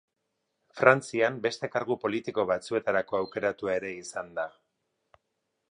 Frantzian beste kargu politiko batzuetarako aukeratua ere izan da.